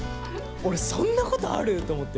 俺そんなことある！？と思って。